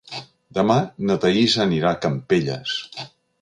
Demà na Thaís anirà a Campelles.